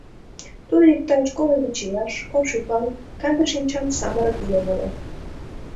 Тудо иктаж коло вич ияш, ош ӱпан, канде шинчан самырык еҥ ыле.